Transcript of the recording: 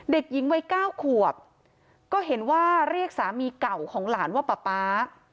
เด็กหญิงวัยเก้าขวบก็เห็นว่าเรียกสามีเก่าของหลานว่าป๊าป๊า